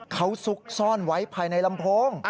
เขาซุกซ่อนไว้ภายในลำโพง